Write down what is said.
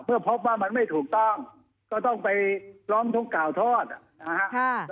เพื่อพบว่ามันไม่ถูกต้องก็ต้องไปร้องทุกข์กล่าวโทษนะฮะ